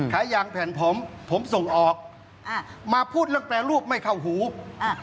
ขายยางแผ่นผมผมส่งออกอ่ามาพูดเรื่องแปรรูปไม่เข้าหูอ่า